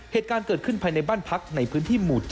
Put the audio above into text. เหตุการณ์เกิดขึ้นภายในบ้านพักในพื้นที่หมู่๗